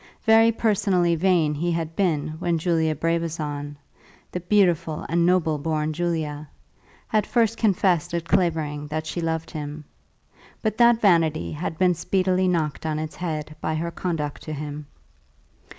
Very personally vain he had been when Julia Brabazon, the beautiful and noble born Julia, had first confessed at Clavering that she loved him; but that vanity had been speedily knocked on its head by her conduct to him.